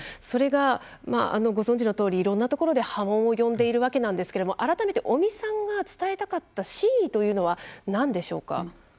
それが、ご存じのとおりいろんなところで波紋を呼んでいるわけなんですけど改めて、尾身さんが伝えたかった真意というのはなんでしょうか？